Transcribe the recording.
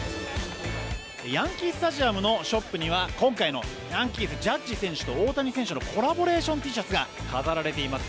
ヤンキースタジアムのショップには今回のヤンキース、ジャッジ選手と大谷選手のコラボレーションＴシャツが飾られています。